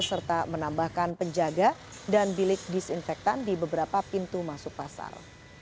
serta menambahkan penjaga dan bilik disinfektan di beberapa pintu masuk pasar